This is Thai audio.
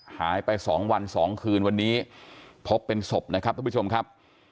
หายไป๒วัน๒คืนวันนี้พบเป็นศพนะครับท่านผู้ชมครับ